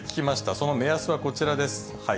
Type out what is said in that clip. その目安はこちらです。